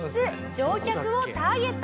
乗客をターゲットに。